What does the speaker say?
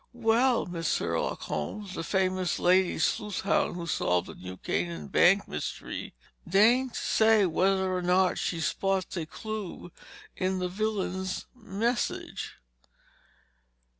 "Will Miss Sherlock Holmes, the famous lady sleuthhound who solved the New Canaan Bank mystery, deign to say whether or not she also spots a clue in the villain's message?"